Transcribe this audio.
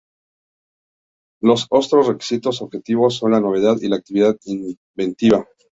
Los otros requisitos objetivos son la novedad y la actividad inventiva.